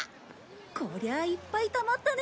こりゃいっぱいたまったね。